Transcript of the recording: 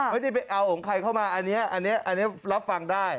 ไม่ได้ไปเอาองคัยเข้ามาอันนี้รับฟังได้